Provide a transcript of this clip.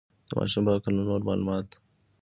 د ماشو په هکله نور معلومات.